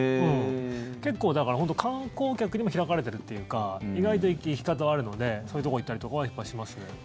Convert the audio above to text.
結構、だから本当に観光客にも開かれているというか意外と行き方はあるのでそういうところ行ったりとかはしますね。